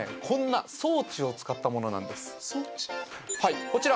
こんな装置を使ったものなんです装置？